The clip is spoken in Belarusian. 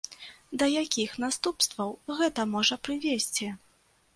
Да якіх наступстваў гэта можа прывесці?